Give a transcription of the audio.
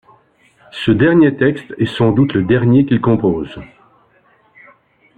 Ce dernier texte est sans doute le dernier qu’il compose.